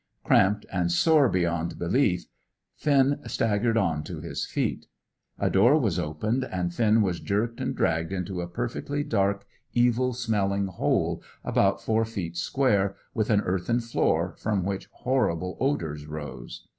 Cramped and sore beyond belief, Finn staggered on to his feet. A door was opened, and Finn was jerked and dragged into a perfectly dark, evil smelling hole, about four feet square, with an earthen floor, from which horrible odours rose.